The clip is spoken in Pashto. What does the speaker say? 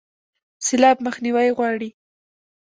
سیلاب مخنیوی غواړي